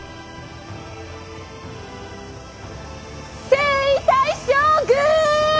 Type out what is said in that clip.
征夷大将軍！